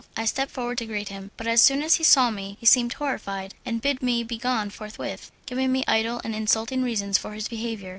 I stepped forward to greet him, but as soon as he saw me he seemed horrified and bid me be gone forthwith, giving me idle and insulting reasons for his behaviour.